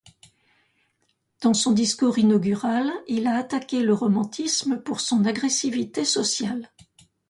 Dans son discours inaugural, il a attaqué le romantisme pour son agressivité sociale.